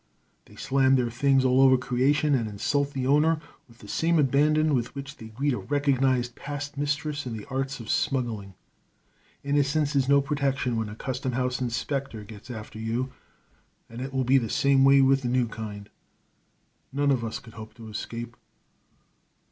They slam their things all over creation, and insult the owner with the same abandon with which they greet a recognized past mistress in the arts of smuggling. Innocence is no protection when a Custom House inspector gets after you, and it will be the same way with the new kind. None of us can hope to escape.